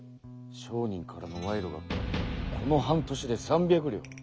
「商人からの賄賂がこの半年で三百両」。